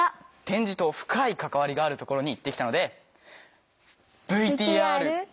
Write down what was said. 点字と深い関わりがあるところに行ってきたので。